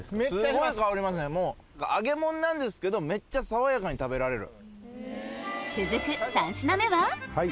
すごい香りますね揚げ物なんですけどめっちゃ爽やかに食べられる。